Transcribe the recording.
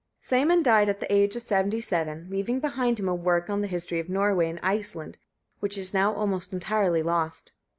Sæmund died at the age of 77, leaving behind him a work on the history of Norway and Iceland, which is now almost entirely lost.